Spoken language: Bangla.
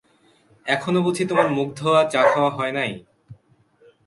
এখনো বুঝি তোমার মুখধোওয়া চা-খাওয়া হয় নাই?